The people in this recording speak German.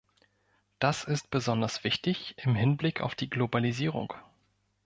Das ist besonders wichtig im Hinblick auf die Globalisierung.